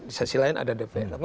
di sisi lain ada dpr